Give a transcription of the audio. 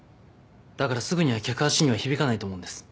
だからすぐには客足には響かないと思うんです。